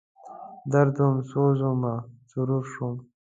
درد وم، سوز ومه، سرور شوم